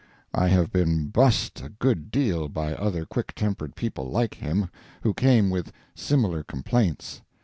I have been bused a good deal by other quick tempered people like him, who came with similar complaints.